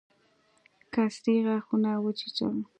کلسري غاښونه وچيچل.